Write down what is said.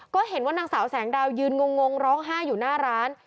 ก็เห็นว่านางสาวแสงดาวยืนงงร้องไห้อยู่หน้าร้าน